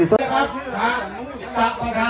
เมื่อ